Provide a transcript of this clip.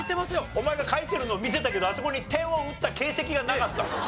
お前が書いてるの見てたけどあそこに点を打った形跡がなかった。